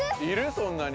そんなに。